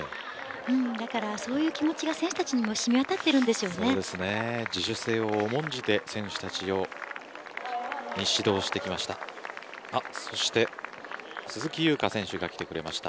だからそういう気持ちが選手たちにもしみ渡って自主性を重んじて選手たちに指導してきました。